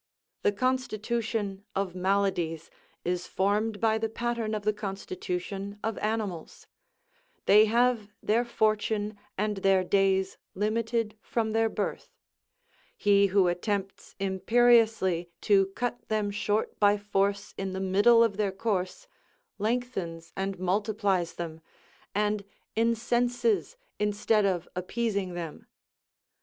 The constitution of maladies is formed by the pattern of the constitution of animals; they have their fortune and their days limited from their birth; he who attempts imperiously to cut them short by force in the middle of their course, lengthens and multiplies them, and incenses instead of appeasing them.